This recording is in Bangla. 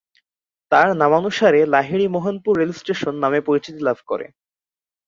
তার নামানুসারে লাহিড়ী মোহনপুর রেলস্টেশন নামে পরিচিতি লাভ করে।